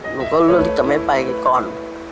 หนูก็เลือกที่จะไม่ไปก่อน